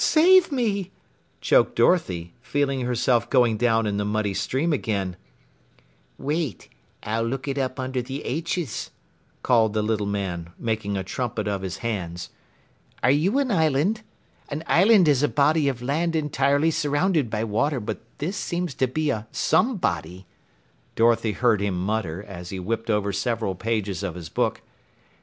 Save me!" choked Dorothy, feeling herself going down in the muddy stream again. "Wait! I'll look it up under the 'H's," called the little man, making a trumpet of his hands. "Are you an island? An island is a body of land entirely surrounded by water, but this seems to be a some body," Dorothy heard him mutter as he whipped over several pages of his book.